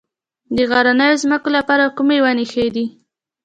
د غرنیو ځمکو لپاره کومې ونې ښې دي؟